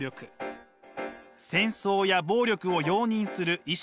戦争や暴力を容認する意識。